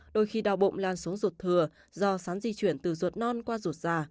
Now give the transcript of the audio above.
đôi khi đau bụng lan xuống ruột thừa do sán di chuyển từ ruột non qua ruột già